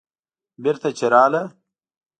بېرته چې راغله.